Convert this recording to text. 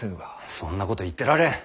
そんなこと言ってられん。